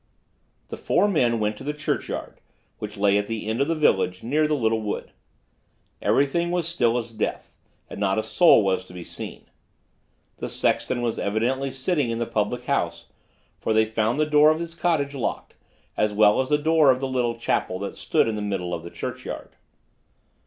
The four men went to the churchyard, which lay at the end of the village, near the little wood. Everything was as still as death, and not a soul was to be seen. The sexton was evidently sitting in the public house, for they found the door of his cottage locked, as well as the door of the little chapel that stood in the middle of the churchyard.